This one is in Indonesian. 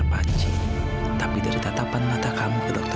walaupun kamu bilang kamu gak tahu apa yang kamu rasakan dokter